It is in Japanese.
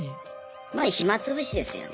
まあ暇つぶしですよね。